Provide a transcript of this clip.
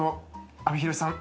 阿部寛さん